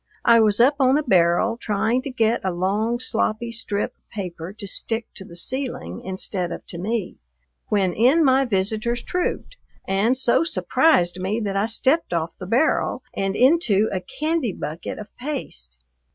I was up on a barrel trying to get a long, sloppy strip of paper to stick to the ceiling instead of to me, when in my visitors trooped, and so surprised me that I stepped off the barrel and into a candy bucket of paste.